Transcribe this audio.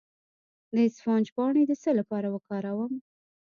د اسفناج پاڼې د څه لپاره وکاروم؟